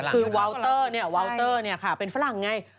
คือวาวเตอร์ค่ะเป็นฝรั่งไง